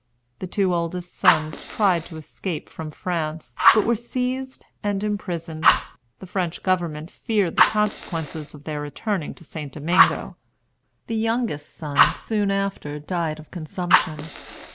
The two oldest sons tried to escape from France, but were seized and imprisoned. The French government feared the consequences of their returning to St. Domingo. The youngest son soon after died of consumption.